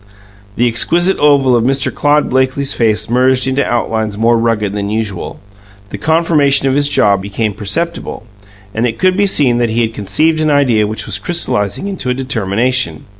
The exquisite oval of Mr. Claude Blakely's face merged into outlines more rugged than usual; the conformation of his jaw became perceptible, and it could be seen that he had conceived an idea which was crystallizing into a determination.